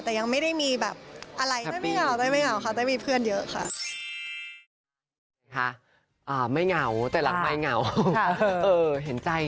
แต่ยังไม่ได้มีแบบอะไร